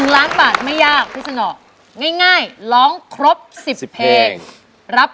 อยากได้ล้านหนึ่งครับ